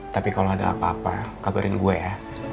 tapi kalau ada apa apa kabarin gue ya